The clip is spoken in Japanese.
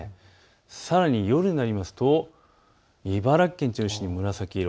さらに夜になりますと茨城県中心に紫色。